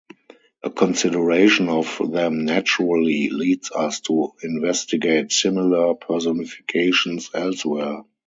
A consideration of them naturally leads us to investigate similar personifications elsewhere.